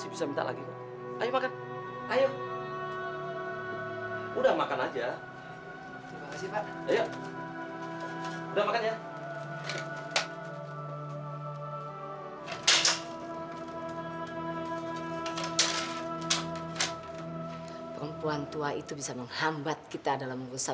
perempuan tua itu bisa menghambat kita dalam mengusahamu